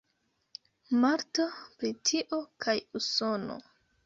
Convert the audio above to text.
Malto, Britio kaj Usono.